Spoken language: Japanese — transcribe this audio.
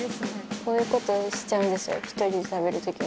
こういうことしちゃうんですよ、１人で食べるときも。